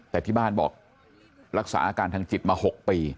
แต่ที่บ้านบอกรักษาอาการทางจิตมา๖ปี